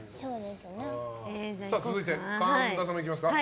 続いて、神田さんいきますか。